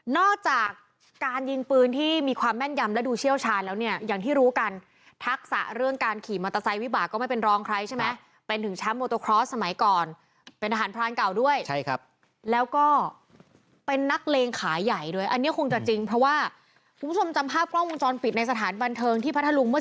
จากการยิงปืนที่มีความแม่นยำและดูเชี่ยวชาญแล้วเนี่ยอย่างที่รู้กันทักษะเรื่องการขี่มอเตอร์ไซค์วิบากก็ไม่เป็นรองใครใช่ไหมเป็นถึงแชมป์โมโตครอสสมัยก่อนเป็นทหารพรานเก่าด้วยใช่ครับแล้วก็เป็นนักเลงขาใหญ่ด้วยอันนี้คงจะจริงเพราะว่าคุณผู้ชมจำภาพกล้องวงจรปิดในสถานบันเทิงที่พัทธรุงเมื่อ